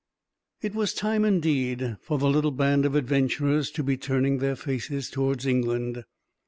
It was time, indeed, for the little band of adventurers to be turning their faces towards England.